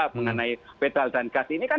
mengenai pedal dan gas ini kan